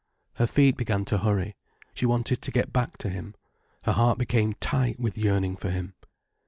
Her feet began to hurry. She wanted to get back to him. Her heart became tight with yearning for him.